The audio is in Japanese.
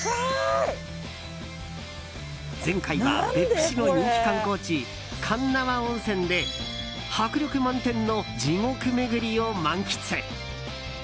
前回は別府市の人気観光地、鉄輪温泉で迫力満点の地獄めぐりを満喫。